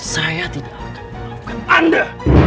saya tidak akan melakukan anda